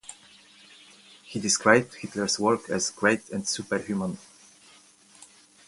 He described Hitler's work as "great and superhuman".